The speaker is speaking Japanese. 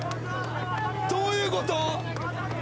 どういうこと！？